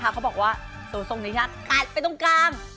ใช่แล้วดูในจอเนี่ย